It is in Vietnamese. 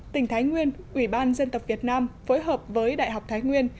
tỉnh thái nguyên ủy ban dân tộc việt nam phối hợp với đại học thái nguyên